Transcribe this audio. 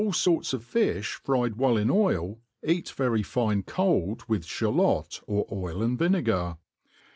3«i forts of fifli fried well in oil, eat very fine cold with (halot, or oil and vinegar.